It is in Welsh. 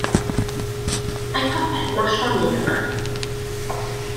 Mae popeth mor llonydd yma.